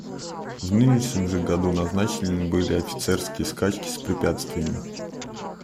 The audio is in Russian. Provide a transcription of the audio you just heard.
В нынешнем же году назначены были офицерские скачки с препятствиями.